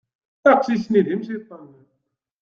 Aqcic-nni d imciṭṭen.